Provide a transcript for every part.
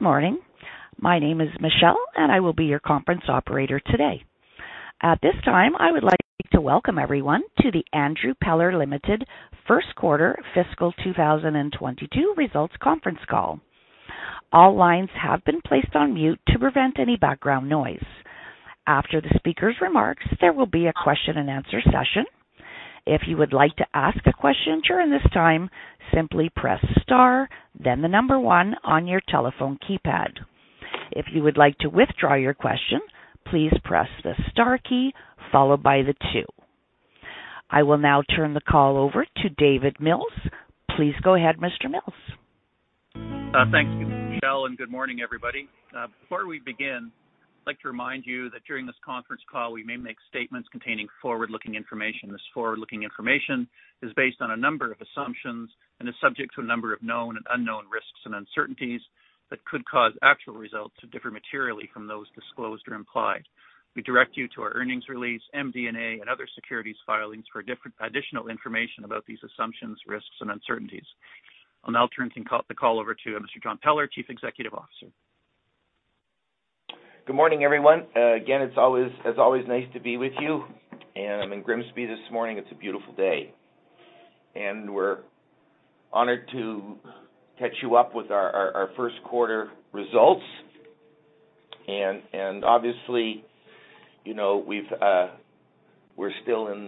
Good morning. My name is Michelle, and I will be your conference operator today. At this time, I would like to welcome everyone to the Andrew Peller Limited Q1 Fiscal 2022 Results Conference Call. All lines have been placed on mute to prevent any background noise. After the speaker's remarks, there will be a question and answer session. If you would like to ask a question during this time, simply press star, then the number one on your telephone keypad. If you would like to withdraw your question, please press the star key followed by the two. I will now turn the call over to David Mills. Please go ahead, Mr. Mills. Thank you, Michelle, and good morning, everybody. Before we begin, I'd like to remind you that during this conference call, we may make statements containing forward-looking information. This forward-looking information is based on a number of assumptions and is subject to a number of known and unknown risks and uncertainties that could cause actual results to differ materially from those disclosed or implied. We direct you to our earnings release, MD&A, and other securities filings for additional information about these assumptions, risks, and uncertainties. I'll now turn the call over to Mr. John Peller, Chief Executive Officer. Good morning, everyone. Again, it's always nice to be with you. I'm in Grimsby this morning. It's a beautiful day. We're honored to catch you up with our Q1 results. Obviously, we're still in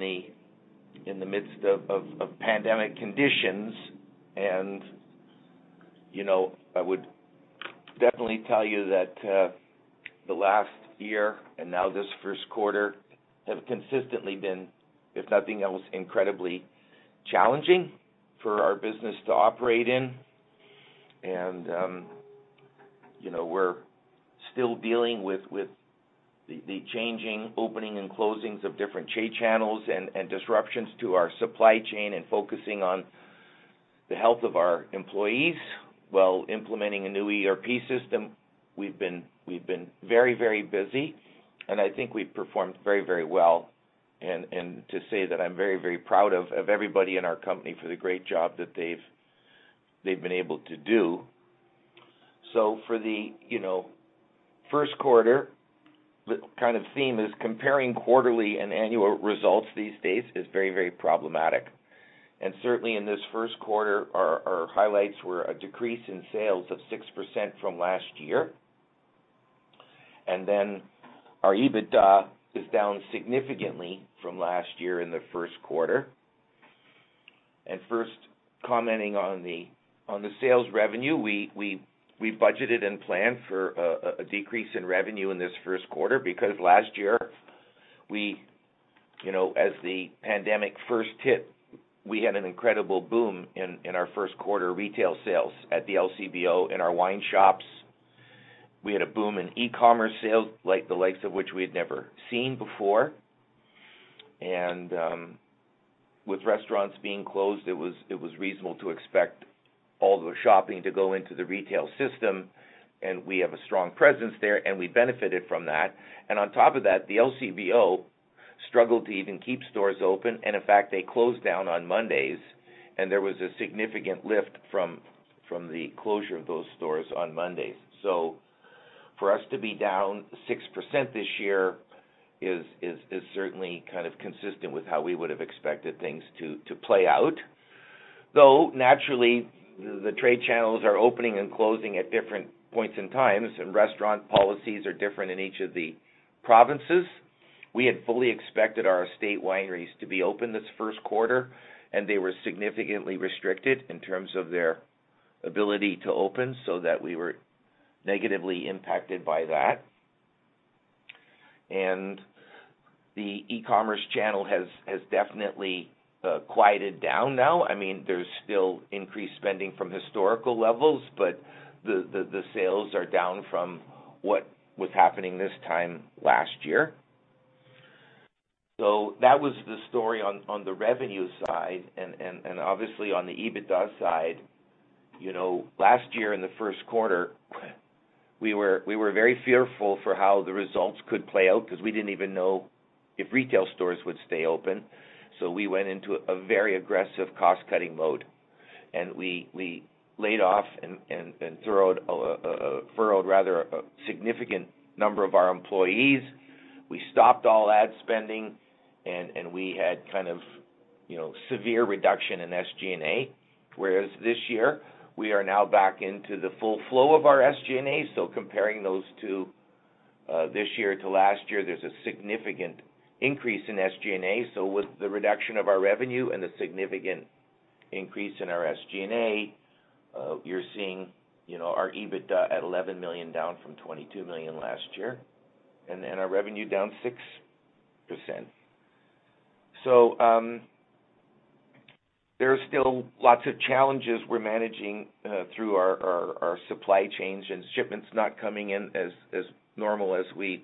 the midst of pandemic conditions, and I would definitely tell you that the last year and now this Q1 have consistently been, if nothing else, incredibly challenging for our business to operate in. We're still dealing with the changing opening and closings of different trade channels and disruptions to our supply chain and focusing on the health of our employees while implementing a new ERP system. We've been very busy, and I think we've performed very well. To say that I'm very proud of everybody in our company for the great job that they've been able to do. For the Q1, the theme is comparing quarterly and annual results these days is very problematic. Certainly in this Q1, our highlights were a decrease in sales of 6% from last year. Our EBITDA is down significantly from last year in the Q1. First, commenting on the sales revenue, we budgeted and planned for a decrease in revenue in this Q1 because last year, as the pandemic first hit, we had an incredible boom in our Q1 retail sales at the LCBO in our wine shops. We had a boom in e-commerce sales, the likes of which we had never seen before. With restaurants being closed, it was reasonable to expect all the shopping to go into the retail system, and we have a strong presence there, and we benefited from that. On top of that, the LCBO struggled to even keep stores open, and in fact, they closed down on Mondays, and there was a significant lift from the closure of those stores on Mondays. For us to be down 6% this year is certainly consistent with how we would have expected things to play out. Though, naturally, the trade channels are opening and closing at different points in times, and restaurant policies are different in each of the provinces. We had fully expected our estate wineries to be open this Q1, and they were significantly restricted in terms of their ability to open so that we were negatively impacted by that. The e-commerce channel has definitely quieted down now. There's still increased spending from historical levels, but the sales are down from what was happening this time last year. That was the story on the revenue side, and obviously on the EBITDA side, last year in the Q1, we were very fearful for how the results could play out because we didn't even know if retail stores would stay open. We went into a very aggressive cost-cutting mode, and we laid off and furloughed a significant number of our employees. We stopped all ad spending, and we had severe reduction in SG&A, whereas this year, we are now back into the full flow of our SG&A. Comparing those two this year to last year, there's a significant increase in SG&A. With the reduction of our revenue and the significant increase in our SG&A, you're seeing our EBITDA at 11 million, down from 22 million last year, and our revenue down 6%. There are still lots of challenges we're managing through our supply chains and shipments not coming in as normal as we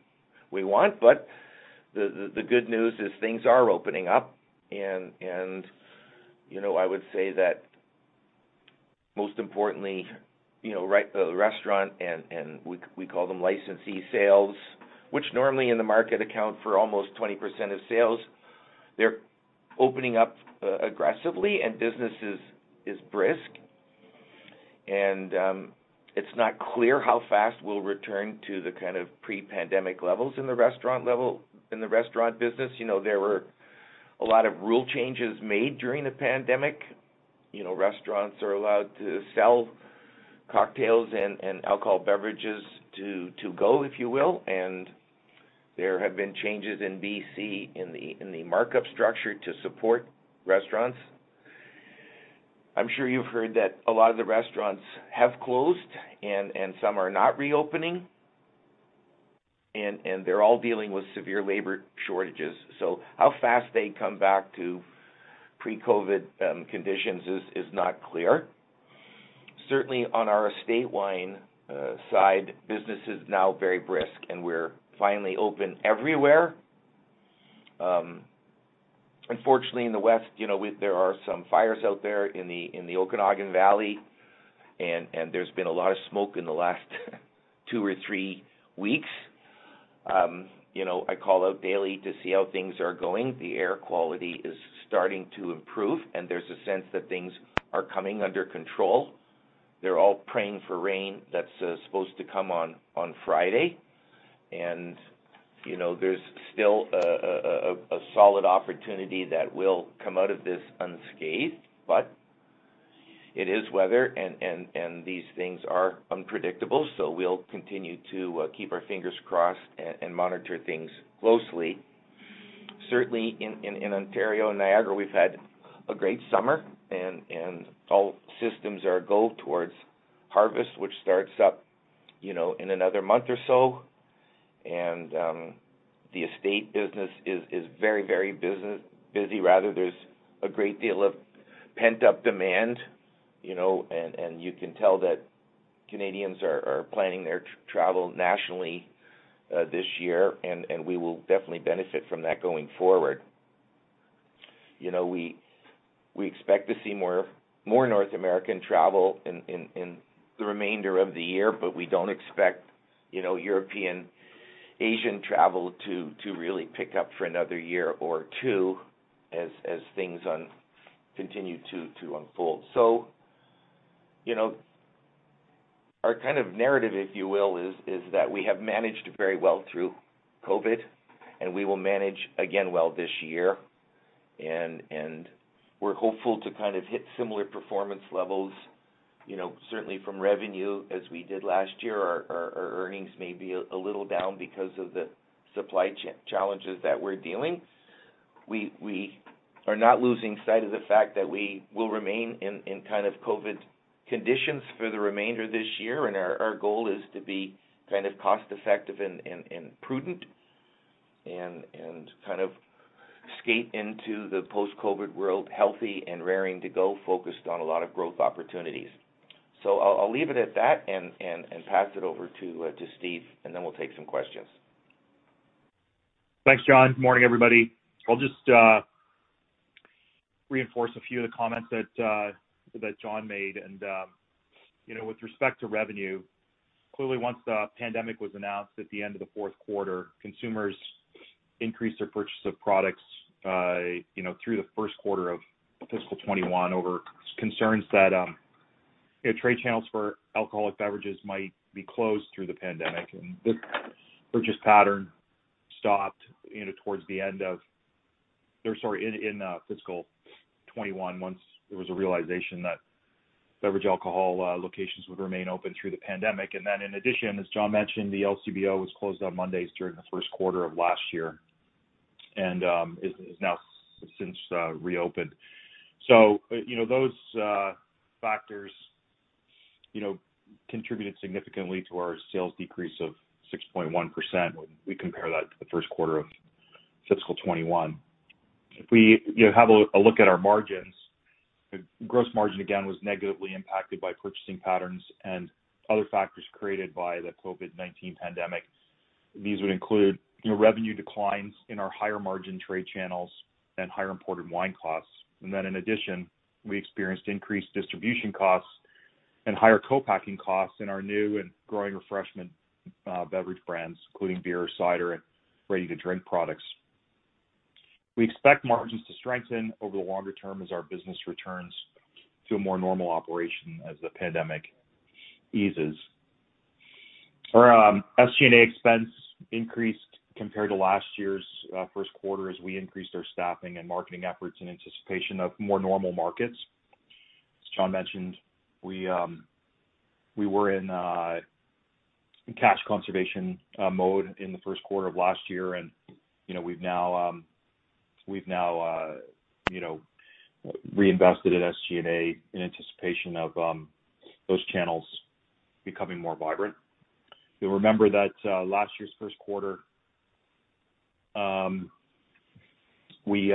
want. The good news is things are opening up, and I would say that most importantly, the restaurant and we call them licensee sales, which normally in the market account for almost 20% of sales. They're opening up aggressively and business is brisk, and it's not clear how fast we'll return to the kind of pre-pandemic levels in the restaurant business. There were a lot of rule changes made during the pandemic. Restaurants are allowed to sell cocktails and alcohol beverages to go, if you will, and there have been changes in B.C. in the markup structure to support restaurants. I'm sure you've heard that a lot of the restaurants have closed, and some are not reopening, and they're all dealing with severe labor shortages. How fast they come back to pre-COVID conditions is not clear. Certainly, on our estate wine side, business is now very brisk, and we're finally open everywhere. Unfortunately, in the west, there are some fires out there in the Okanagan Valley, and there's been a lot of smoke in the last two or three weeks. I call out daily to see how things are going. The air quality is starting to improve, and there's a sense that things are coming under control. They're all praying for rain that's supposed to come on Friday. There's still a solid opportunity that we'll come out of this unscathed, but it is weather, and these things are unpredictable. We'll continue to keep our fingers crossed and monitor things closely. Certainly, in Ontario and Niagara, we've had a great summer. All systems are go towards harvest, which starts up in another month or so. The estate business is very busy. There's a great deal of pent-up demand. You can tell that Canadians are planning their travel nationally this year. We will definitely benefit from that going forward. We expect to see more North American travel in the remainder of the year. We don't expect European-Asian travel to really pick up for another year or two as things continue to unfold. Our kind of narrative, if you will, is that we have managed very well through COVID-19. We will manage again well this year. We're hopeful to kind of hit similar performance levels, certainly from revenue as we did last year. Our earnings may be a little down because of the supply challenges that we're dealing. We are not losing sight of the fact that we will remain in kind of COVID-19 conditions for the remainder of this year. Our goal is to be kind of cost-effective and prudent and kind of skate into the post-COVID-19 world healthy and raring to go, focused on a lot of growth opportunities. I'll leave it at that and pass it over to Steve, and then we'll take some questions. Thanks, John. Morning, everybody. I'll just reinforce a few of the comments that John made. With respect to revenue, clearly once the pandemic was announced at the end of the Q4, consumers increased their purchase of products through the Q1 of fiscal 2021 over concerns that trade channels for alcoholic beverages might be closed through the pandemic. This purchase pattern stopped in fiscal 2021, once there was a realization that beverage alcohol locations would remain open through the pandemic. In addition, as John mentioned, the LCBO was closed on Mondays during the Q1 of last year, and has now since reopened. Those factors contributed significantly to our sales decrease of 6.1% when we compare that to the Q1 of fiscal 2021. If we have a look at our margins, gross margin, again, was negatively impacted by purchasing patterns and other factors created by the COVID-19 pandemic. These would include revenue declines in our higher margin trade channels and higher imported wine costs. In addition, we experienced increased distribution costs and higher co-packing costs in our new and growing refreshment beverage brands, including beer, cider, and ready-to-drink products. We expect margins to strengthen over the longer term as our business returns to a more normal operation as the pandemic eases. Our SG&A expense increased compared to last year's Q1 as we increased our staffing and marketing efforts in anticipation of more normal markets. As John mentioned, we were in cash conservation mode in the Q1 of last year, and we've now reinvested in SG&A in anticipation of those channels becoming more vibrant. You'll remember that last year's Q1, we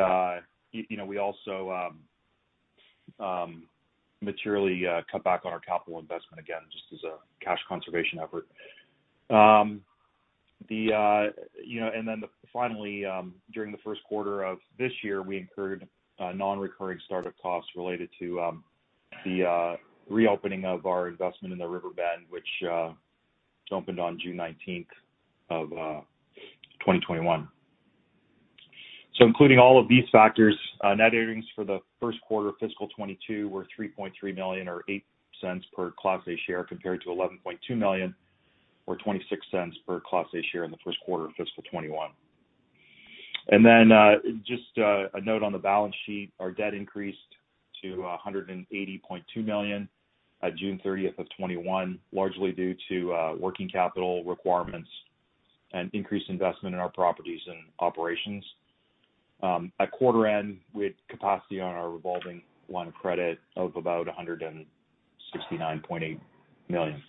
also materially cut back on our capital investment, again, just as a cash conservation effort. Finally, during the Q1 of this year, we incurred non-recurring startup costs related to the reopening of our investment in the Riverbend, which opened on June 19th, 2021. Including all of these factors, net earnings for the Q1 of fiscal 2022 were 3.3 million, or 0.08 per Class A share, compared to 11.2 million, or 0.26 per Class A share in the Q1 of fiscal 2021. Just a note on the balance sheet, our debt increased to 180.2 million at June 30th, 2021, largely due to working capital requirements and increased investment in our properties and operations. At quarter end, we had capacity on our revolving line of credit of about 169.8 million.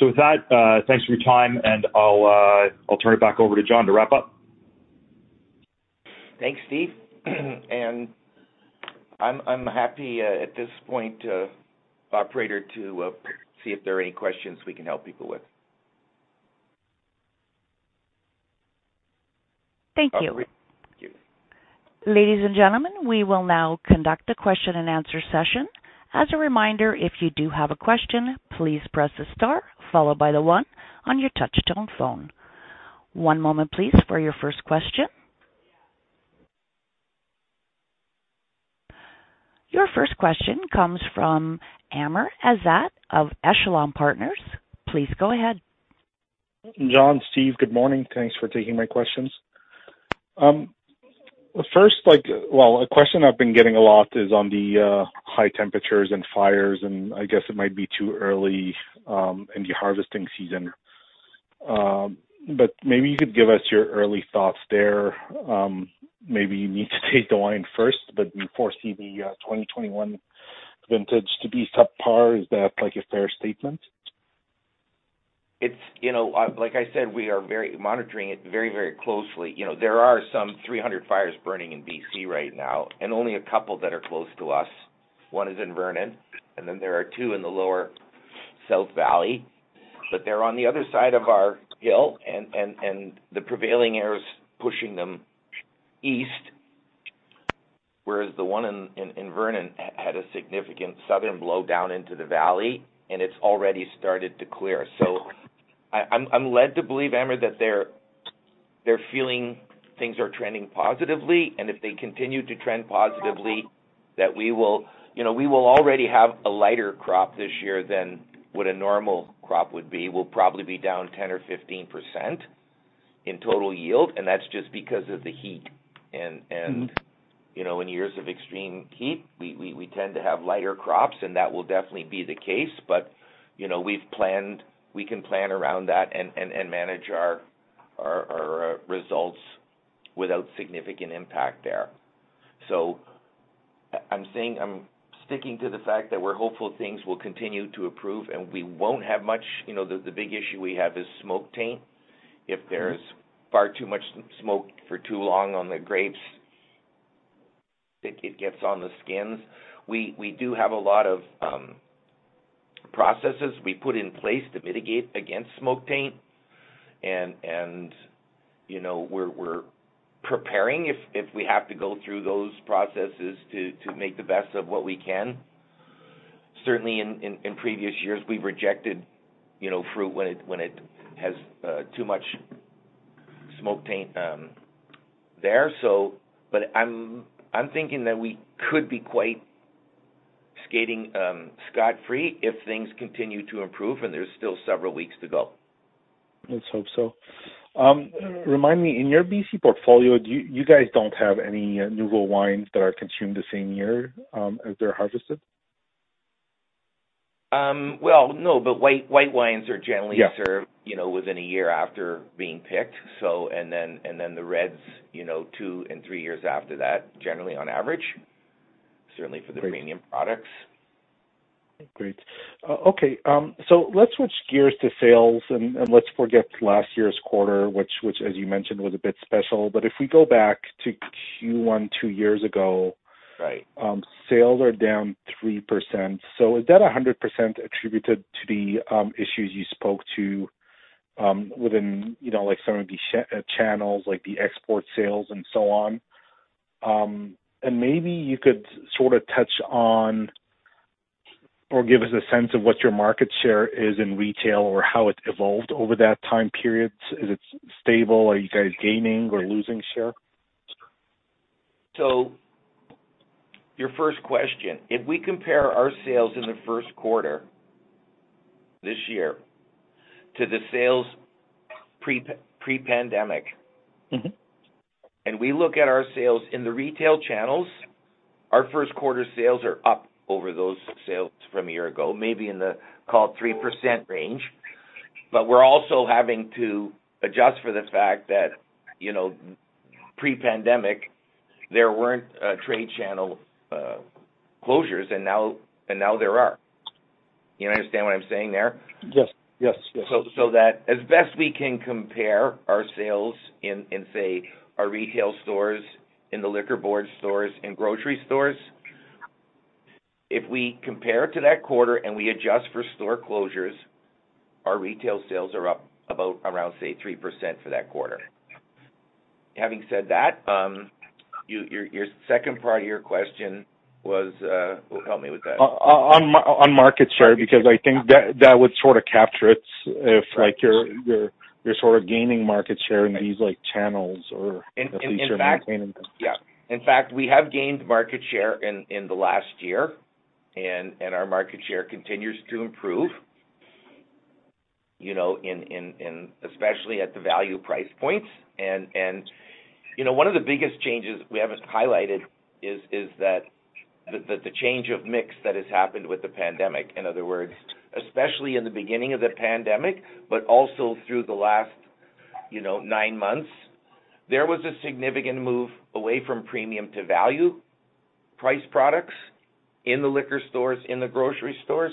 With that, thanks for your time, and I'll turn it back over to John to wrap up. Thanks, Steve. I'm happy, at this point, operator, to see if there are any questions we can help people with. Thank you. Thank you. Ladies and gentlemen, we will now conduct a question and answer session. As a reminder, if you do have a question, please press the star followed by the one on your touchtone phone. One moment please for your first question. Your first question comes from Amar Azad of Echelon Partners. Please go ahead. John, Steve, good morning. Thanks for taking my questions. First, a question I've been getting a lot is on the high temperatures and fires, and I guess it might be too early in the harvesting season. Maybe you could give us your early thoughts there. Maybe you need to taste the wine first, but you foresee the 2021 vintage to be subpar. Is that a fair statement? Like I said, we are monitoring it very closely. There are some 300 fires burning in BC right now, and only two that are close to us. One is in Vernon, and then there are two in the lower South Valley, but they're on the other side of our hill and the prevailing air is pushing them east. Whereas the One in Vernon had a significant southern blow down into the valley, and it's already started to clear. I'm led to believe, Amar, that they're feeling things are trending positively, and if they continue to trend positively, that we will already have a lighter crop this year than what a normal crop would be. We'll probably be down 10% or 15% in total yield, and that's just because of the heat. In years of extreme heat, we tend to have lighter crops, and that will definitely be the case. We can plan around that and manage our results without significant impact there. I'm sticking to the fact that we're hopeful things will continue to improve, and we won't have much. The big issue we have is smoke taint. If there's far too much smoke for too long on the grapes, it gets on the skins. We do have a lot of processes we put in place to mitigate against smoke taint, and we're preparing if we have to go through those processes to make the best of what we can. Certainly in previous years, we've rejected fruit when it has too much smoke taint there. I'm thinking that we could be quite skating scot-free if things continue to improve, and there's still several weeks to go. Let's hope so. Remind me, in your BC portfolio, you guys don't have any nouveau wines that are consumed the same year as they're harvested? Well, no, but white wines are generally. Yeah served within one year after being picked. The reds, two and three years after that, generally, on average, certainly for the premium products. Great. Okay. Let's switch gears to sales, and let's forget last year's quarter, which, as you mentioned, was a bit special. If we go back to Q1 two years ago. Right sales are down 3%. Is that 100% attributed to the issues you spoke to within some of the channels, like the export sales and so on? Maybe you could sort of touch on, or give us a sense of what your market share is in retail or how it's evolved over that time period. Is it stable? Are you guys gaining or losing share? Your first question, if we compare our sales in the Q1 this year to the sales pre-pandemic. We look at our sales in the retail channels, our Q1 sales are up over those sales from a year ago, maybe in the, call it, 3% range. We're also having to adjust for the fact that pre-pandemic, there weren't trade channel closures, and now there are. You understand what I'm saying there? Yes. That as best we can compare our sales in, say, our retail stores, in the liquor board stores and grocery stores, if we compare to that quarter and we adjust for store closures, our retail sales are up about around, say, 3% for that quarter. Having said that, your second part of your question was? Help me with that. On market share, because I think that would sort of capture it if you're sort of gaining market share in these channels or at least you're maintaining them. Yeah. In fact, we have gained market share in the last year, and our market share continues to improve, especially at the value price points. One of the biggest changes we haven't highlighted is the change of mix that has happened with the pandemic. In other words, especially in the beginning of the pandemic, but also through the last nine months, there was a significant move away from premium to value price products in the liquor stores, in the grocery stores.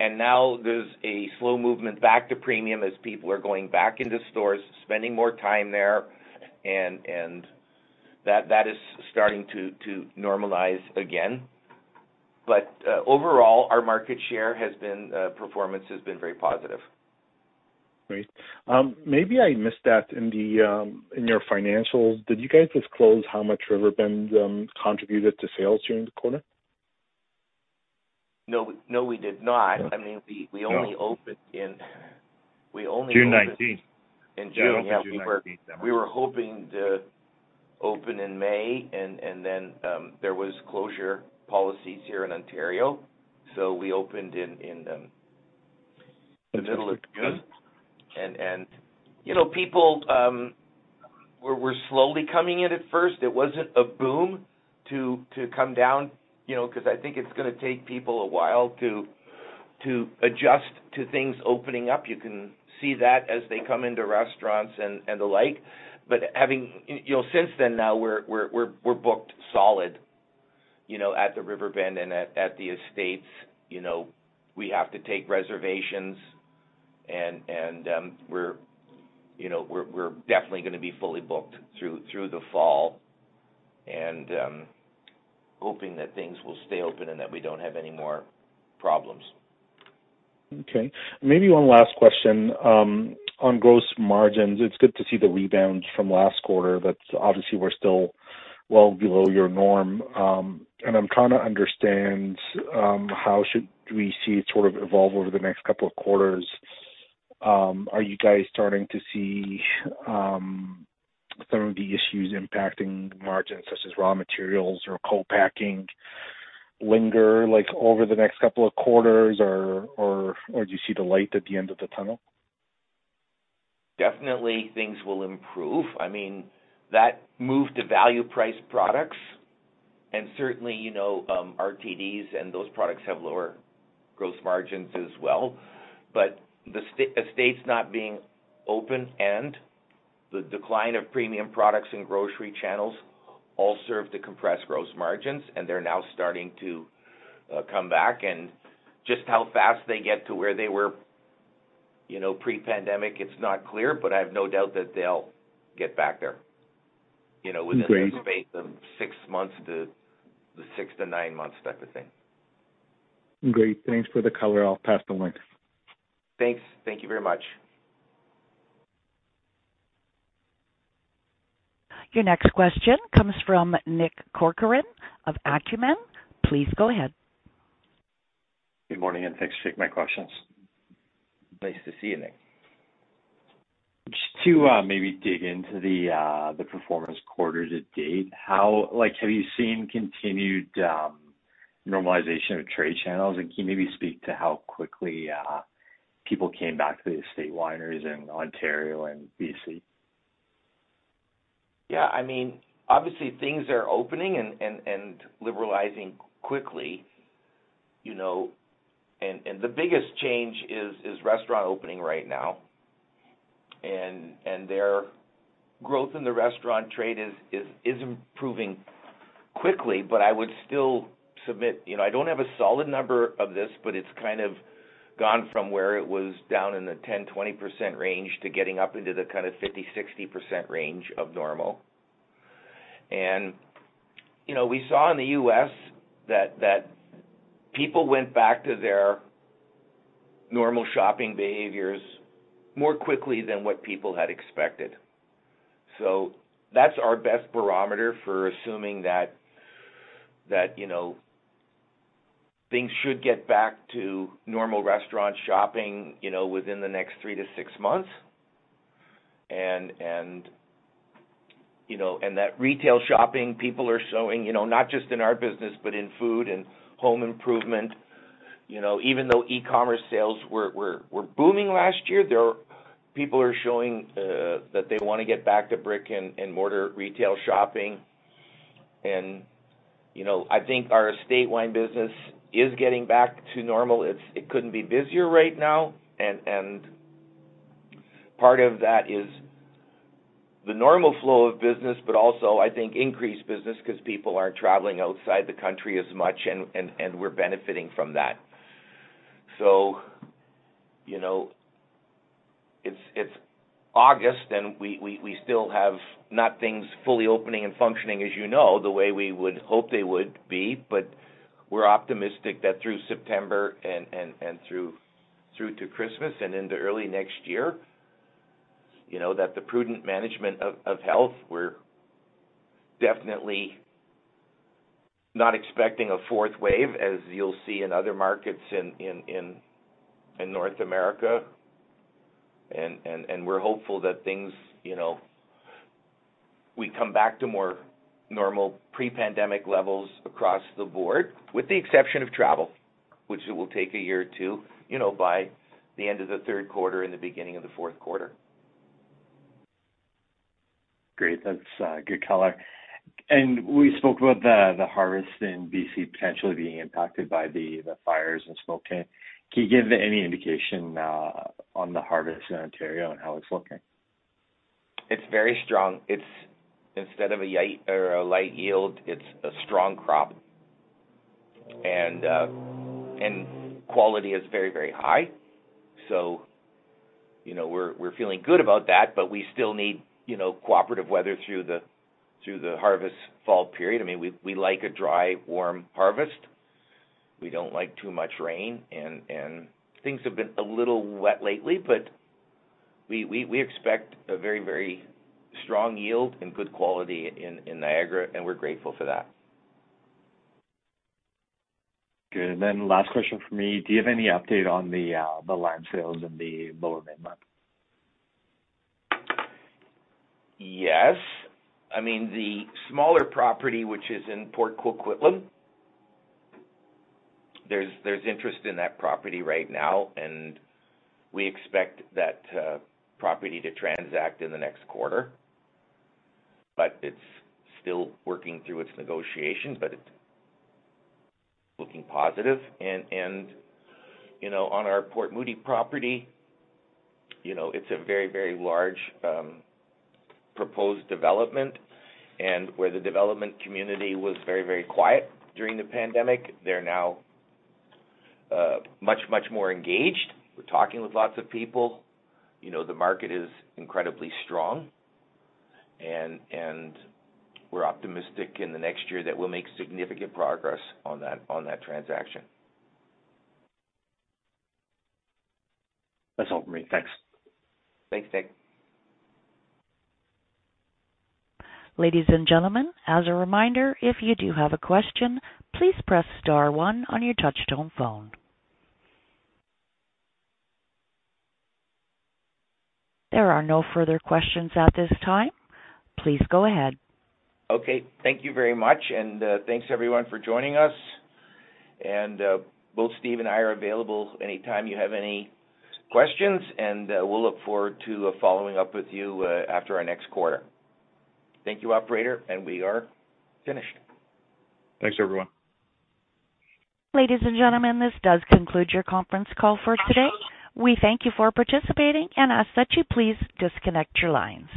Now there's a slow movement back to premium as people are going back into stores, spending more time there, and that is starting to normalize again. Overall, our market share performance has been very positive. Great. Maybe I missed that in your financials. Did you guys disclose how much Riverbend contributed to sales during the quarter? No, we did not. June 19th. In June, yeah. June, yeah, 19th. We were hoping to open in May, and then there was closure policies here in Ontario, so we opened in June. The middle of June. People were slowly coming in at first. It wasn't a boom to come down, because I think it's going to take people a while to adjust to things opening up. You can see that as they come into restaurants and the like. Since then, now we're booked solid at the Riverbend and at the Estates. We have to take reservations, and we're definitely going to be fully booked through the fall and hoping that things will stay open and that we don't have any more problems. Okay. Maybe one last question. On gross margins, it's good to see the rebound from last quarter, but obviously we're still well below your norm. I'm trying to understand how should we see it sort of evolve over the next couple of quarters. Are you guys starting to see some of the issues impacting margins, such as raw materials or co-packing, linger over the next couple of quarters, or do you see the light at the end of the tunnel? Definitely things will improve. That move to value price products and certainly RTDs and those products have lower gross margins as well. The Estates not being open and the decline of premium products in grocery channels all served to compress gross margins, and they're now starting to come back and just how fast they get to where they were pre-pandemic, it's not clear, but I have no doubt that they'll get back there. Great within the six to nine months type of thing. Great. Thanks for the color. I'll pass it along. Thanks. Thank you very much. Your next question comes from Nick Corcoran of Acumen. Please go ahead. Good morning, and thanks for taking my questions. Nice to see you, Nick. Just to maybe dig into the performance quarters to date, have you seen continued normalization of trade channels, and can you maybe speak to how quickly people came back to the estate wineries in Ontario and BC? Yeah. Obviously things are opening and liberalizing quickly, the biggest change is restaurant opening right now, their growth in the restaurant trade is improving quickly. I would still submit, I don't have a solid number of this, but it's kind of gone from where it was down in the 10%-20% range to getting up into the kind of 50%-60% range of normal. We saw in the U.S. that people went back to their normal shopping behaviors more quickly than what people had expected. That's our best barometer for assuming that things should get back to normal restaurant shopping within the next three to six months. That retail shopping people are showing, not just in our business, but in food and home improvement, even though e-commerce sales were booming last year, people are showing that they want to get back to brick-and-mortar retail shopping, and I think our estate wine business is getting back to normal. It couldn't be busier right now, and part of that is the normal flow of business, but also, I think, increased business because people aren't traveling outside the country as much, and we're benefiting from that. It's August, and we still have not things fully opening and functioning, as you know, the way we would hope they would be, but we're optimistic that through September and through to Christmas and into early next year, that the prudent management of health, we're definitely not expecting a fourth wave, as you'll see in other markets in North America. We're hopeful that we come back to more normal pre-pandemic levels across the board, with the exception of travel, which it will take a year or two, by the end of the Q3 and the beginning of the Q4. Great. That's good color. We spoke about the harvest in B.C. potentially being impacted by the fires and smoke. Can you give any indication on the harvest in Ontario and how it's looking? It's very strong. Instead of a light yield, it's a strong crop, and quality is very, very high. We're feeling good about that, but we still need cooperative weather through the harvest fall period. We like a dry, warm harvest. We don't like too much rain, and things have been a little wet lately, but we expect a very, very strong yield and good quality in Niagara, and we're grateful for that. Good. Last question from me, do you have any update on the land sales in the Lower Mainland? Yes. The smaller property, which is in Port Coquitlam, there's interest in that property right now, we expect that property to transact in the next quarter. It's still working through its negotiations, but it's looking positive. On our Port Moody property, it's a very, very large proposed development. Where the development community was very, very quiet during the pandemic, they're now much, much more engaged. We're talking with lots of people. The market is incredibly strong, and we're optimistic in the next year that we'll make significant progress on that transaction. That's all from me. Thanks. Thanks, Nick. Ladies and gentlemen, as a reminder, if you do have a question, please press star one on your touch-tone phone. There are no further questions at this time. Please go ahead. Okay. Thank you very much, and thanks, everyone, for joining us. Both Steve and I are available anytime you have any questions, and we'll look forward to following up with you after our next quarter. Thank you, operator, and we are finished. Thanks, everyone. Ladies and gentlemen, this does conclude your conference call for today. We thank you for participating and ask that you please disconnect your lines.